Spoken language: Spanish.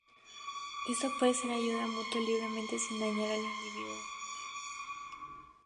Esto puede ser de ayuda si ha mutado libremente sin dañar al individuo.